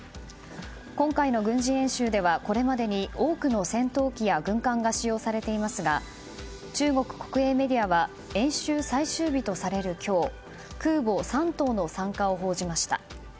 今回の軍事演習ではこれまでに多くの戦闘機や軍艦が使用されていますが中国国営メディアは演習最終日とされる今日空母「山東」の参加を報じました。